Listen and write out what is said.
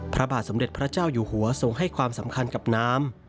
พระบาทสมเด็จพระเจ้าอยู่หัวทรงให้ความสำคัญกับน้ำ